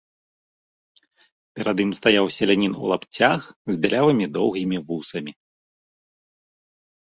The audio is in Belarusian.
Перад ім стаяў селянін у лапцях, з бялявымі доўгімі вусамі.